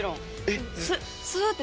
えっ。